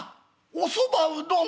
「おそばうどん？